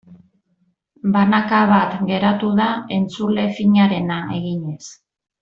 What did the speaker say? Banaka bat geratu da entzule finarena eginez.